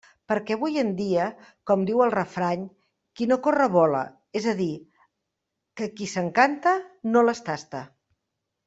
Perquè avui en dia, com diu el refrany, qui no corre vola, és a dir, que qui s'encanta no les tasta.